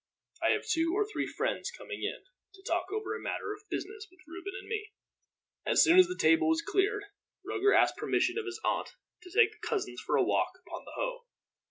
I have two or three friends coming in, to talk over a matter of business with Reuben and me." As soon as the table was cleared, Roger asked permission of his aunt to take his cousins for a walk upon the Hoe.